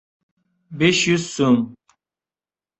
— Besh yuz so‘m.